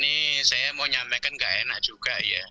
ini saya mau nyampaikan nggak enak